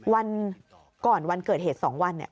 วันก่อนวันเกิดเหตุ๒วันเนี่ย